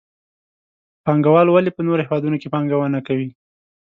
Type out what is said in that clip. پانګوال ولې په نورو هېوادونو کې پانګونه کوي؟